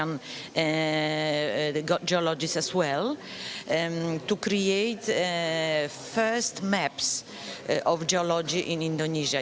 untuk membuat map pertama geologi di indonesia